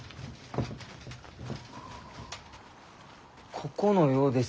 ここのようです。